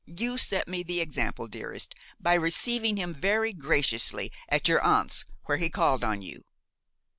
"You set me the example, dearest, by receiving him very graciously at your aunt's, where he called on you."